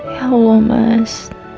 ya allah mas